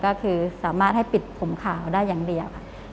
ก็คือสามารถให้ปิดผมขาวได้อย่างเดียวค่ะ